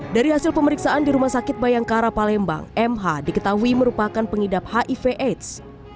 dari hasil pemeriksaan di rumah sakit bayangkara palembang mh diketahui merupakan pengidap hiv aids